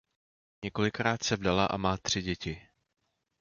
Několikrát se vdala a má tři děti.